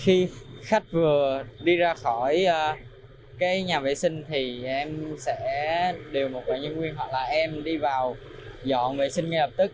khi khách vừa đi ra khỏi cái nhà vệ sinh thì em sẽ điều một bệnh nhân nguyên hoặc là em đi vào dọn vệ sinh ngay lập tức